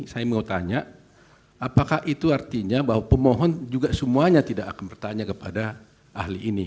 saya mau tanya apakah itu artinya bahwa pemohon juga semuanya tidak akan bertanya kepada ahli ini